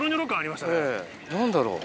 何だろう？